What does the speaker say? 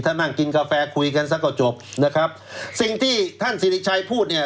ถ้านั่งกินกาแฟคุยกันสักก็จบนะครับสิ่งที่ท่านสิริชัยพูดเนี่ย